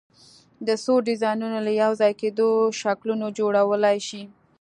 د څو ډیزاینونو له یو ځای کېدو شکلونه جوړولی شئ؟